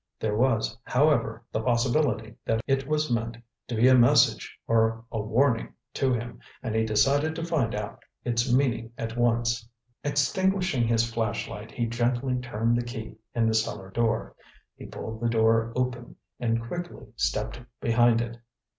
There was, however, the possibility that it was meant to be a message or a warning to him, and he decided to find out its meaning at once. Extinguishing his flashlight, he gently turned the key in the cellar door. He pulled the door open and quickly stepped behind it.